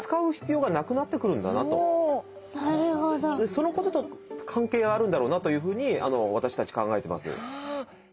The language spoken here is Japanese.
そのことと関係があるんだろうなというふうに私たち考えてます。